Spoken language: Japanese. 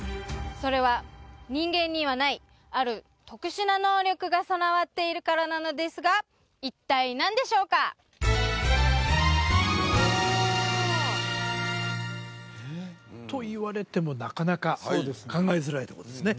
それは人間にはないある特殊な能力が備わっているからなのですが一体何でしょうか？と言われてもなかなか考えづらいとこですね